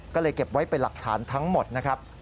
ก็เลยเก็บไว้เป็นหลักฐานทั้งหมดนะครับ